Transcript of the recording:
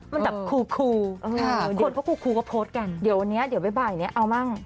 มันแบบคูคนเพราะคูก็โพสต์กันเดี๋ยววันนี้ไว้บ่ายังงี้เอ้าบ้าง